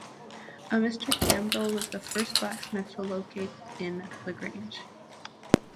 A Mr. Campbell was the first blacksmith to locate in LaGrange.